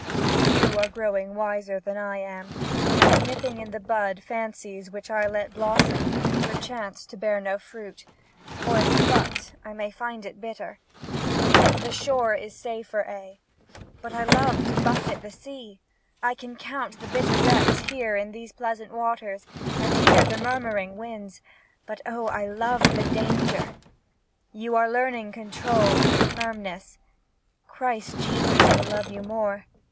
... You are growing wiser than I am, and nip ping in the bud fancies which I let blossom — per chance to bear no fruit, or if plucked, I may find it bitter. The shore is safer, A., but I love to buffet the sea — I can count the bitter wrecks here in these pleasant waters, and hear the murmuring winds, but oh, I love the danger ! You are learning control and firmness. Christ Jesus will love you more.